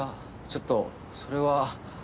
ちょっとそれは。